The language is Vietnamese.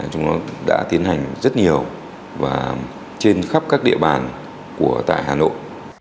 chúng nó đã tiến hành rất nhiều và trên khắp các địa bàn tại hà nội